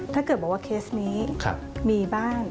ถ้าเกิดบอกว่าเคสนี้มีบ้าง